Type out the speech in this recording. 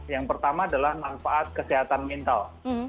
yang pertama adalah manfaat kesehatan mental